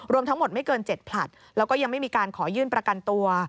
รวมทั้งหมดไม่เกิน๗ผลัดแล้วก็ยังไม่มีการขอยื่นประกันตัว